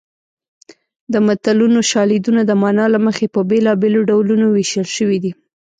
د متلونو شالیدونه د مانا له مخې په بېلابېلو ډولونو ویشل شوي دي